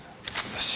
よし！